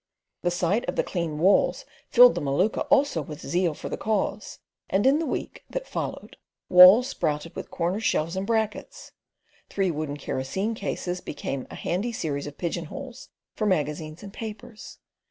The sight of the clean walls filled the Maluka also with zeal for the cause, and in the week that followed walls sprouted with corner shelves and brackets—three wooden kerosene cases became a handy series of pigeonholes for magazines and papers.